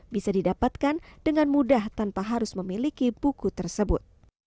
bisa didapatkan dengan mudah tanpa harus memiliki buku tersebut